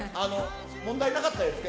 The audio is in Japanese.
問題なかったですか？